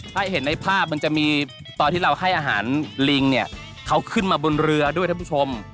ถ้าเห็นในภาพมันจะมีตอนที่เราให้อาหารลิงเนี่ยเขาขึ้นมาบนเรือด้วยท่านผู้ชม